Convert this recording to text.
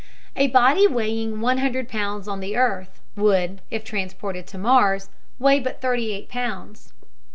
_ a body weighing one hundred pounds on the earth would, if transported to Mars, weigh but thirty eight pounds.